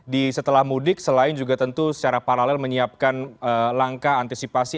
di setelah mudik selain juga tentu secara paralel menyiapkan langkah antisipasi